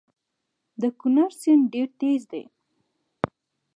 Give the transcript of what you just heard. د کونړ سیند ډیر تېز دی